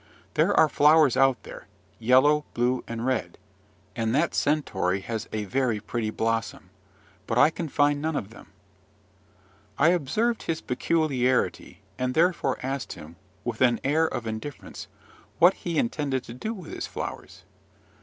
There are flowers out there, yellow, blue, and red; and that centaury has a very pretty blossom: but I can find none of them." I observed his peculiarity, and therefore asked him, with an air of indifference, what he intended to do with his flowers.